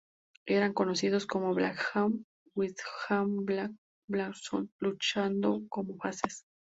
Eran conocidos como Blackjack Windham y Blackjack Bradshaw, luchando como "faces".